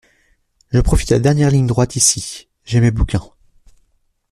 Je profite de la dernière ligne droite ici, j’ai mes bouquins